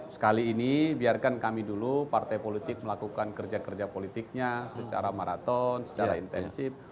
sekali ini biarkan kami dulu partai politik melakukan kerja kerja politiknya secara maraton secara intensif